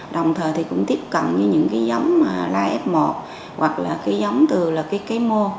đồng thời cũng tiếp cận với những giống la f một hoặc là giống từ cây mô